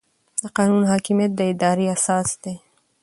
د قانون حاکمیت د ادارې اساس دی.